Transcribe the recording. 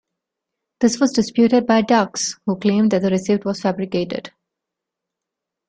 This was disputed by Dux, who claimed that the receipt was fabricated.